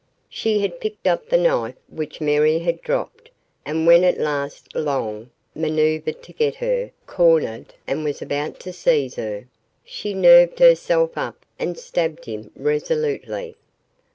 She had picked up the knife which Mary had dropped and when at last Long maneuvred to get her cornered and was about to seize her, she nerved herself up and stabbed him resolutely.